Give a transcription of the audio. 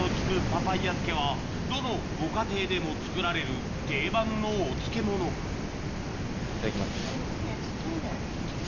パパイヤ漬けはどのご家庭でも作られる定番のお漬物いただきます。